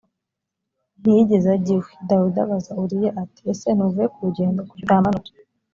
ntiyigeze ajya iwe dawidi abaza uriya ati ese ntuvuye ku rugendo kuki utamanutse